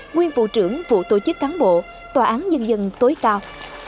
nguyên vụ trưởng vụ tổ chức cán bộ tòa án nhân dân tối cao